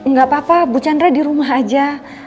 gak apa apa bu chandra dirumah aja